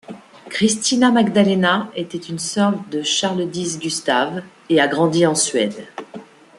Christina Magdalena était une sœur de Charles X Gustave, et a grandi en Suède.